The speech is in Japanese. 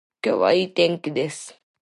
今日は良い天気です